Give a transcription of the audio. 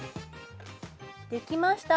できました。